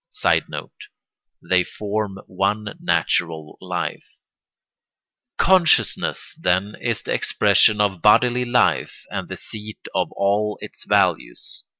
[Sidenote: They form one natural life.] Consciousness, then, is the expression of bodily life and the seat of all its values.